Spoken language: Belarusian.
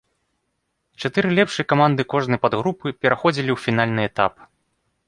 Чатыры лепшыя каманды кожнай падгрупы пераходзілі ў фінальны этап.